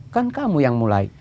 kan kamu yang mulai